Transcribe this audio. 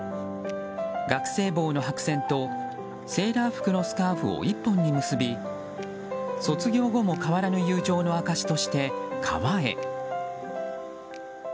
学生帽の白線とセーラー服のスカーフを１本に結び卒業後も変わらぬ友情の証しとして川へ。